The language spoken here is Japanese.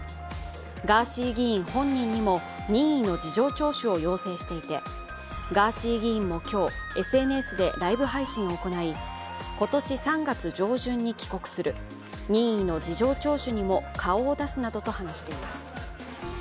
ガーシー議員本人にも任意の事情聴取を要請していてガーシー議員も今日、ＳＮＳでライブ配信を行い今年３月上旬に帰国する、任意の事情聴取にも顔を出すなどと話しています。